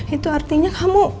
itu artinya kamu